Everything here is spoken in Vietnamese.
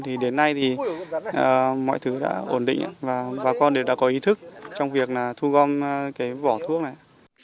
thì đến nay thì mọi thứ đã ổn định và bà con đều đã có ý thức trong việc là thu gom cái vỏ thuốc này